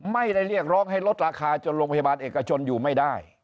เรียกร้องให้ลดราคาจนโรงพยาบาลเอกชนอยู่ไม่ได้